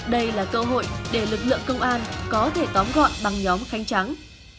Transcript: đây là cơ hội để lực lượng công an có thể tóm gọn bằng nhóm khánh trắng